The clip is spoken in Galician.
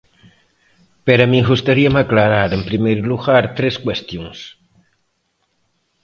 Pero a min gustaríame aclarar, en primeiro lugar, tres cuestións.